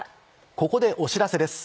ここでお知らせです。